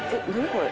これ。